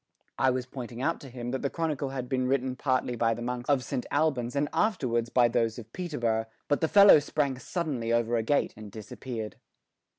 I was pointing out to him that the Chronicle had been written partly by the monks of Saint Albans and afterwards by those of Peterborough, but the fellow sprang suddenly over a gate and disappeared.